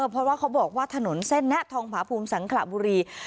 เพราะว่าเขาบอกว่าถนนเส้นนะทองผาภูมิสังขระบุรี